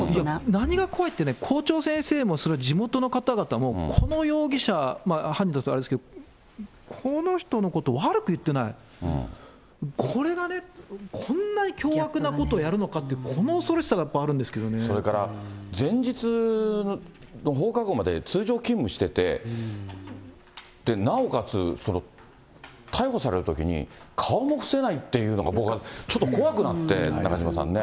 何が怖いってね、校長先生もね、それ地元の方々も、この容疑者、犯人だとあれですけど、この人のこと悪く言ってない、これがね、こんなに凶悪なことをやるのかって、この恐ろしさがやっぱりそれから前日の放課後まで、通常勤務していて、なおかつ、逮捕されるときに、顔も伏せないっていうのが、僕はちょっと怖くなって、中島さんね。